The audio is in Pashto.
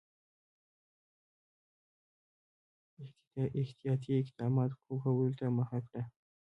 احتیاطي اقداماتو کولو ته مخه کړه.